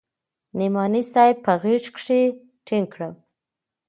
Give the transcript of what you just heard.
نعماني صاحب په غېږ کښې ټينګ کړم.